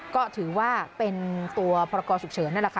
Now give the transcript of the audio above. ก็ถือว่าเป็นตัวพรกรฉุกเฉินนั่นแหละค่ะ